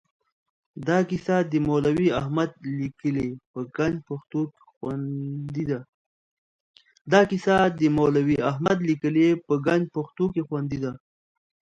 دا کیسه د مولوي احمد لیکلې په ګنج پښتو کې خوندي ده.